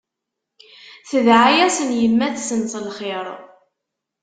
Tedɛa-yasen yemma-tsen s lxir.